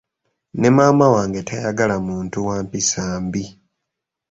Ne maama wange tayagala muntu wa mpisa mbi.